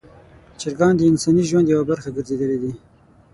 چرګان د انساني ژوند یوه برخه ګرځېدلي دي.